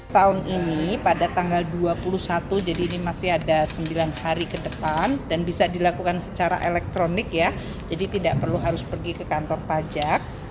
tahun ini pada tanggal dua puluh satu jadi ini masih ada sembilan hari ke depan dan bisa dilakukan secara elektronik ya jadi tidak perlu harus pergi ke kantor pajak